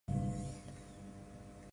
No audio